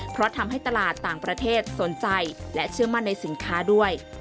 เพราะทำให้ตลาดต่างประเทศสนใจและเชื่อมั่นในสินค้าด้วย